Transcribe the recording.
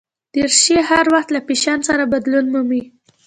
دریشي هر وخت له فېشن سره بدلون مومي.